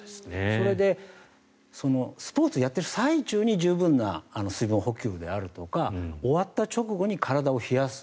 それでスポーツをやってる最中に十分な水分補給であるとか終わった直後に体を冷やす。